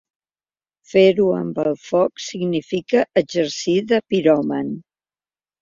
Fer-ho amb el foc significa exercir de piròman.